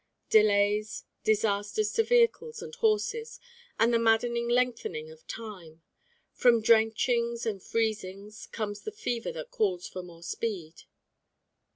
Delays, disasters to vehicles and horses and the maddening lengthening of time. From drenchings and freezing comes the fever that calls for more speed.